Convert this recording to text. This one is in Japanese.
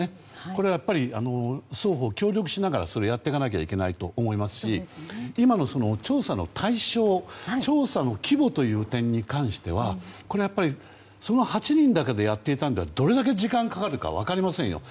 これは双方が協力しながらやっていかなきゃいけないと思いますし今の調査の対象調査の規模という点に関してはその８人だけだやっていたんじゃどれだけ時間がかかるか分かりませんよ。